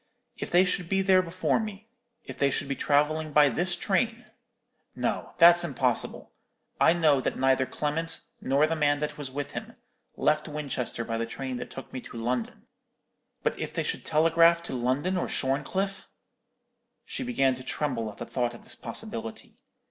If they should be there before me. If they should be travelling by this train. No, that's impossible. I know that neither Clement, nor the man that was with him, left Winchester by the train that took me to London. But if they should telegraph to London or Shorncliffe?" She began to tremble at the thought of this possibility.